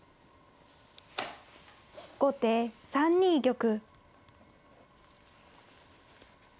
後手３二玉。